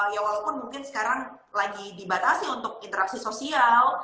ya walaupun mungkin sekarang lagi dibatasi untuk interaksi sosial